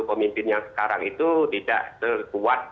pemimpin yang sekarang itu tidak sekuat